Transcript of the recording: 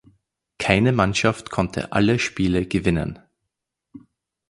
Keine Mannschaft konnte alle Spiele gewinnen.